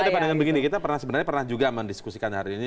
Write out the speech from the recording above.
ada pandangan begini kita sebenarnya pernah juga mendiskusikan hari ini